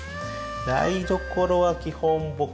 台所は基本僕が。